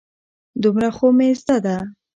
دومره خو مې زده ده.